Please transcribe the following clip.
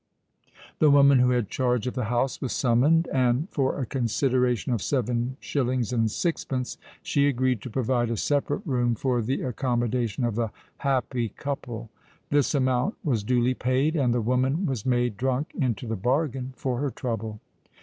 The woman, who had charge of the house, was summoned; and, for a consideration of seven shillings and sixpence, she agreed to provide a separate room for the accommodation of the "happy couple." This amount was duly paid; and the woman was made drunk into the bargain for her trouble.